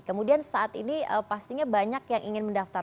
kemudian saat ini pastinya banyak yang ingin mendaftar